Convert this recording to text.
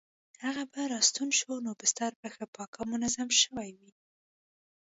هغه به راستون شو نو بستر به ښه پاک او منظم شوی وو.